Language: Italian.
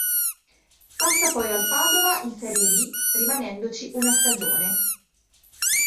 Passa poi al Padova in Serie B rimanendoci una stagione.